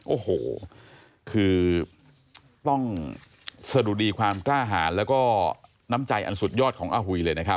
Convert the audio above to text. โอ้โหคือต้องสะดุดีความกล้าหารแล้วก็น้ำใจอันสุดยอดของอาหุยเลยนะครับ